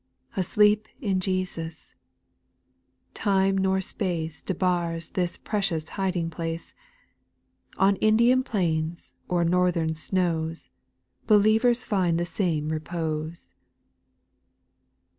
C. Asleep in Jesus ! Time nor space Debars this precious hiding place ; On Indian plains or Northern snows, Believers find the same repose.